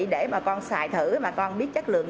để bà con xài thử mà con biết chất lượng